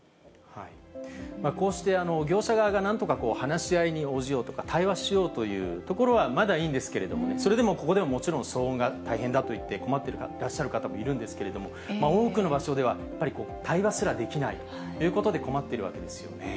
こうして、業者側がなんとか話し合いに応じようとか、対話しようというところはまだいいんですけれどもね、それでも、ここでももちろん騒音が大変だといって、困っている方いるんですけれども、多くの場所では、やっぱり対話すらできないということで困っているわけですよね。